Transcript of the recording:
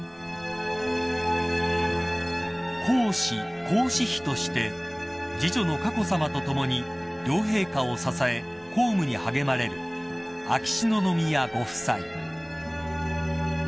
［皇嗣皇嗣妃として次女の佳子さまと共に両陛下を支え公務に励まれる秋篠宮ご夫妻］